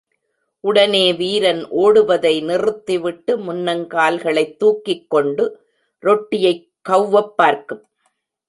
உடனே வீரன், ஓடுவதை நிறுத்திவிட்டு முன்னங்கால்களைத் தூக்கிக்கொண்டு ரொட்டியைக் கௌவப் பார்க்கும்.